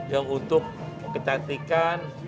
yang untuk kecantikan